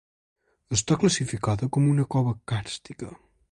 Està classificada com una cova càrstica.